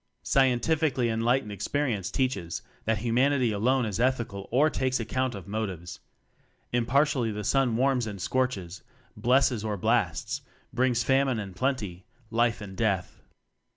Scientifically enlightened experience teaches that Humanity alone is ethical or takes account of motives: Impartially the sun warms and scorches, blesses or blasts; brings famine and plenty, life and death.